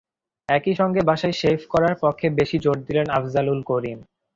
একই সঙ্গে বাসায় শেভ করার পক্ষে বেশি জোর দিলেন আফজালুল করিম।